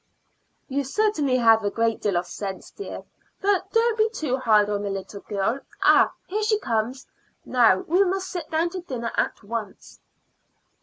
"You certainly have a great deal of sense, dear; but don't be too hard on the little girl. Ah! here she comes. Now we must sit down to dinner at once."